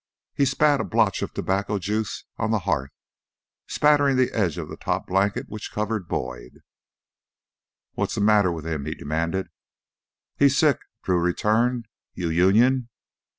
He spat a blotch of tobacco juice on the hearth, spattering the edge of the top blanket which covered Boyd. "What's th' matter wi' him?" he demanded. "He's sick," Drew returned. "You Union?"